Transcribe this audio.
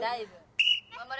頑張れ！